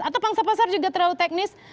atau pangsa pasar juga terlalu teknis